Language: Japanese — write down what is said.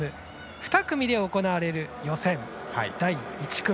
２組で行われる予選第１組。